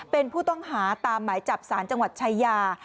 เป็นผู้ต้องหาตามหมายจับสารจังหวัดชายา